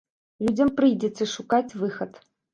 Людзям прыйдзецца шукаць выхад.